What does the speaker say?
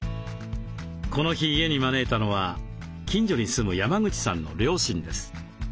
この日家に招いたのは近所に住む山口さんの両親です。